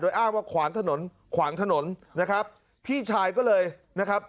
อ้างว่าขวางถนนขวางถนนนะครับพี่ชายก็เลยนะครับ